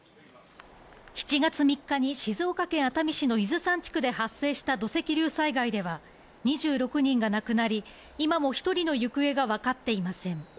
７月３日に静岡県熱海市の伊豆山地区で発生した土石流災害では、２６人が亡くなり、今も１人の行方がわかっていません。